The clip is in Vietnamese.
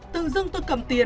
tự dưng tôi cầm tiền